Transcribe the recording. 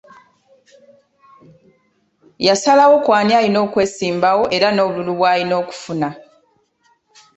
Yasalawo ku ani alina okwesimbawo era n’obululu bw’alina okufuna.